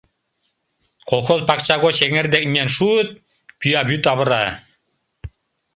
Колхоз пакча гоч эҥер дек миен шуыт — пӱя вӱд авыра.